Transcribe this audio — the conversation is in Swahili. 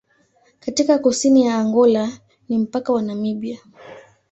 Katika kusini ya Angola ni mpaka na Namibia.